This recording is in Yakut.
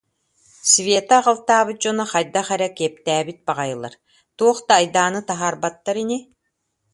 Света аҕалтаабыт дьоно хайдах эрэ киэптээбит баҕайылар, туох да айдааны таһаарбаттар ини